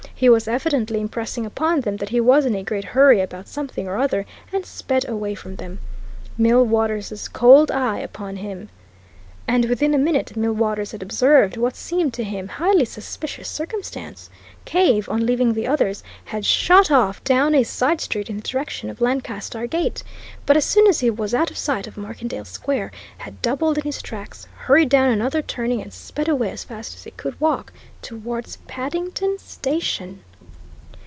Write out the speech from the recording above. He was evidently impressing upon them that he was in a great hurry about something or other, and sped away from them, Millwaters's cold eye upon him. And within a minute Millwaters had observed what seemed to him highly suspicious circumstance Cave, on leaving the others, had shot off down a side street in the direction of Lancaster Gate, but as soon as he was out of sight of Markendale Square, had doubled in his tracks, hurried down another turning and sped away as fast as he could walk towards Paddington Station.